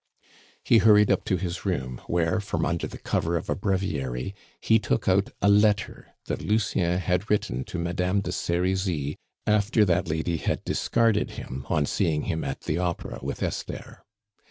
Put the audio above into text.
He hurried up to his room, where, from under the cover of a breviary, he took out a letter that Lucien had written to Madame de Serizy after that lady had discarded him on seeing him at the opera with Esther.